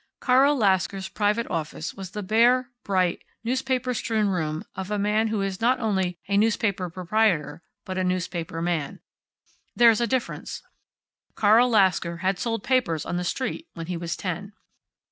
Carl Lasker's private office was the bare, bright, newspaper strewn room of a man who is not only a newspaper proprietor, but a newspaper man. There's a difference. Carl Lasker had sold papers on the street when he was ten.